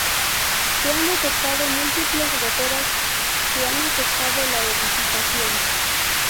Se han detectado múltiples goteras que han afectado la edificación.